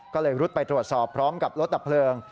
ก็เลยรุดไปตรวจสอบพร้อมกับรถดับเพลิง